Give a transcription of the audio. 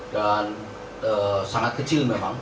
dan sangat kecil memang